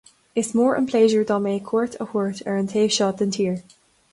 Is mór an pléisiúr dom é cuairt a thabhairt ar an taobh seo den tír